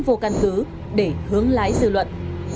chúng vô căn cứ để hướng lái dư luận